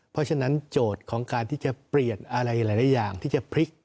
เพราะฉะนั้นโจทย์ของการที่จะเปลี่ยนอะไรหลายอย่างที่จะพลิก